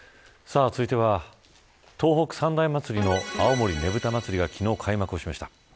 続いては東北三大祭りの青森ねぶた祭が昨日開幕しました。